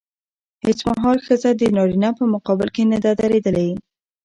هېڅ مهال ښځه د نارينه په مقابل کې نه ده درېدلې.